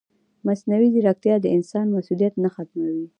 مصنوعي ځیرکتیا د انسان مسؤلیت نه ختموي.